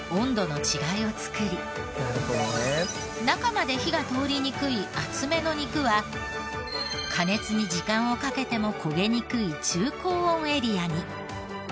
中まで火が通りにくい厚めの肉は加熱に時間をかけても焦げにくい中高温エリアに。